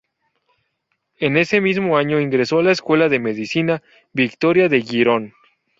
En ese mismo año ingresó en la Escuela de Medicina Victoria de Girón.